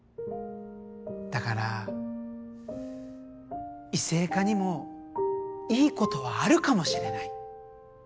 だから異性化にもいいことはあるかもしれない。